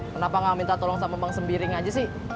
kenapa nggak minta tolong sama bang sembiring aja sih